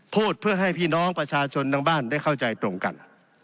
พูดเพื่อให้พี่น้องประชาชนทางบ้านได้เข้าใจตรงกัน